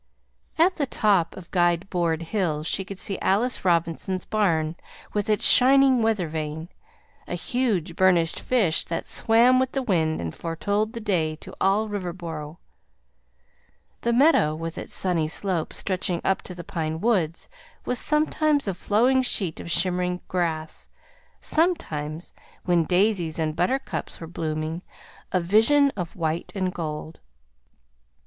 At the top of Guide Board hill she could see Alice Robinson's barn with its shining weather vane, a huge burnished fish that swam with the wind and foretold the day to all Riverboro. The meadow, with its sunny slopes stretching up to the pine woods, was sometimes a flowing sheet of shimmering grass, sometimes when daisies and buttercups were blooming a vision of white and gold.